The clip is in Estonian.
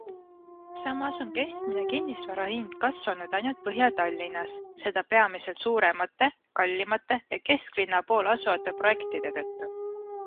Samas on keskmine kinnisvarahind kasvanud ainult Põhja-Tallinnas, seda peamiselt suuremate, kallimate ja kesklinna pool asuvate projektide tõttu.